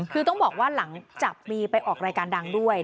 คือต้องบอกว่าหลังจากมีไปออกรายการดังด้วย